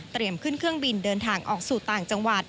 ขึ้นเครื่องบินเดินทางออกสู่ต่างจังหวัด